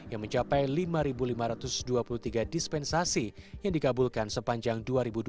yang mencapai lima lima ratus dua puluh tiga dispensasi yang dikabulkan sepanjang dua ribu dua puluh